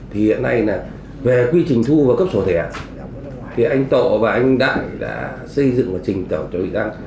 thì hiện nay là về quy trình thu và cấp sổ thẻ thì anh tộ và anh đặng đã xây dựng một trình tẩu cho vị trang